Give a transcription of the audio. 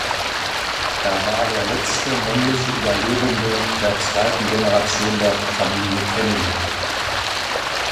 Er war der letzte männliche Überlebende der zweiten Generation der Familie Kennedy.